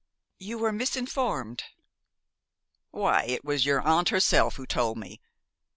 "You were misinformed." "Why, it was your aunt herself who told me!